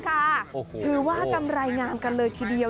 ถือว่ากำไรงามกันเลยทีเดียว